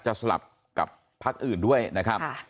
สลับกับพักอื่นด้วยนะครับ